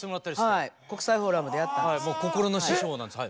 国際フォーラムでやったんですよ。